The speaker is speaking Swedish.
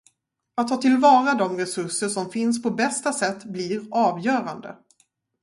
Att ta tillvara de resurser som finns på bästa sätt blir avgörande.